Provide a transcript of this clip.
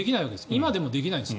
今でもできないです。